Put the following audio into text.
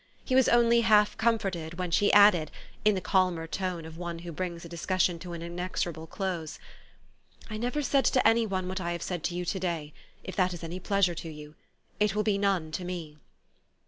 He was only half comforted when she added, in the calmer tone of one who brings a dis cussion to an inexorable close, ' 4 1 never said to any one what I have said to you to day, if that is any pleasure to you : it will be none to me."